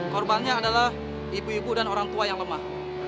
korbannya adalah ibu ibu dan orang tua yang lemah